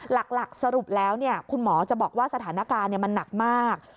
หลักสรุปแล้วคุณหมอจะบอกว่าสถานการณ์มันหนักมาก